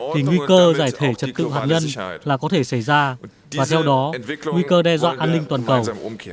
thì nguy cơ giải thể trật tự hạt nhân là có thể xảy ra và theo đó nguy cơ đe dọa an ninh toàn cầu